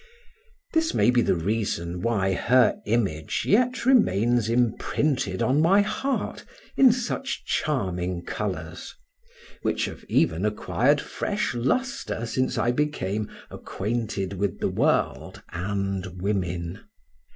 This may be the reason why her image yet remains imprinted on my heart in such charming colors, which have even acquired fresh lustre since I became acquainted with the world and women.